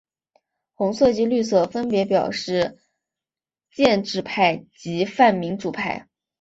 红色及绿色分别表示建制派及泛民主派。